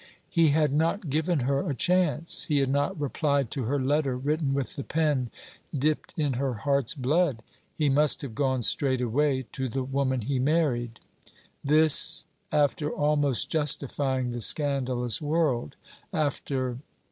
He had not given her a chance; he had not replied to her letter written with the pen dipped in her heart's blood; he must have gone straight away to the woman he married. This after almost justifying the scandalous world: after